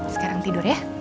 sekarang tidur ya